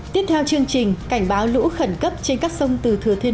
tiếp theo chương trình cảnh báo lũ khẩn cấp trên các sông từ thừa thiên huế